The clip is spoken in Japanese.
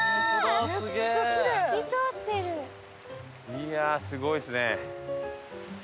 いやあすごいですね。